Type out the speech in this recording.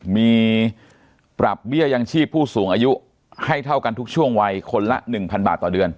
มีปรับเบี้ยยังชีพผู้สูงอายุให้เท่ากันทุกช่วงวัยคนละ๑๐๐บาทต่อเดือน